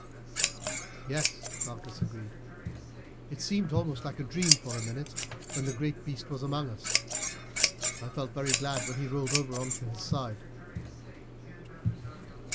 "Yes," Malchus agreed; "it seemed almost like a dream for a minute when the great beast was among us. I felt very glad when he rolled over on to his side."